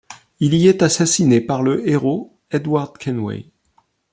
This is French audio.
Il y est assassiné par le héros Edward Kenway.